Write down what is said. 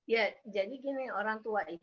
ya jadi gini orang tua itu